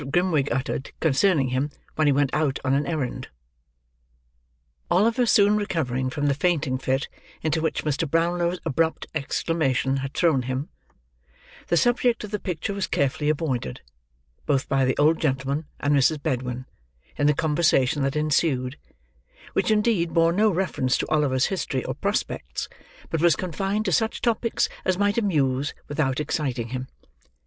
GRIMWIG UTTERED CONCERNING HIM, WHEN HE WENT OUT ON AN ERRAND Oliver soon recovering from the fainting fit into which Mr. Brownlow's abrupt exclamation had thrown him, the subject of the picture was carefully avoided, both by the old gentleman and Mrs. Bedwin, in the conversation that ensued: which indeed bore no reference to Oliver's history or prospects, but was confined to such topics as might amuse without exciting him.